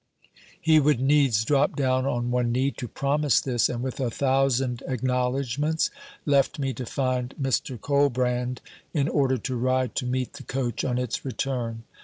He would needs drop down on one knee, to promise this; and with a thousand acknowledgments, left me to find Mr. Colbrand, in order to ride to meet the coach on its return.